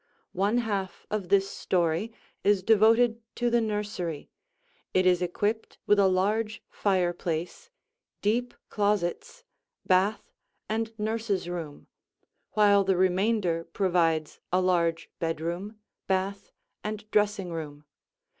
One half of this story is devoted to the nursery; it is equipped with a large fireplace, deep closets, bath, and nurse's room, while the remainder provides a large bedroom, bath, and dressing room.